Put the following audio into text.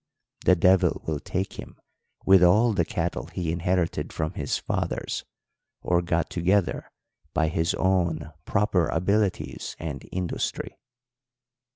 The devil will take him with all the cattle he inherited from his fathers, or got together by his own proper abilities and industry.